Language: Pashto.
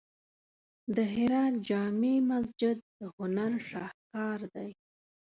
د هرات جامع مسجد د هنر شاهکار دی.